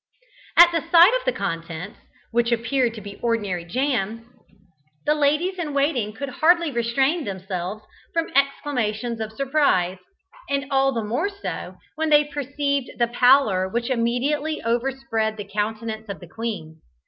At the sight of the contents, which appeared to be ordinary jam, the ladies in waiting could hardly restrain themselves from exclamations of surprise, and all the more so when they perceived the pallor which immediately overspread the countenance of the queen.